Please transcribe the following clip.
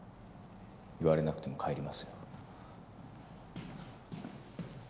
言われなくても帰りますよ。